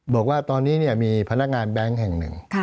บอกว่าตอนนี้มีพนักงานแบงค์แห่งหนึ่ง